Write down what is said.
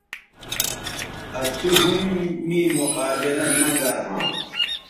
آ تو ھم می مقابلہ نہ گرھواں